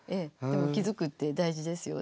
でも気づくって大事ですよ。